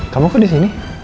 kamu kok disini